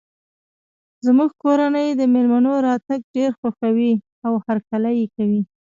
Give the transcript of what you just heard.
زموږ کورنۍ د مېلمنو راتګ ډیر خوښوي او هرکلی یی کوي